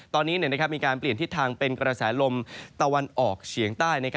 ตอนนี้มีการเปลี่ยนทิศทางเป็นกระแสลมตะวันออกเฉียงใต้